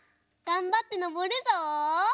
がんばってのぼるぞ！